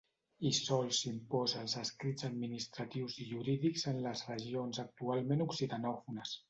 I sols s'imposa als escrits administratius i jurídics en les regions actualment occitanòfones.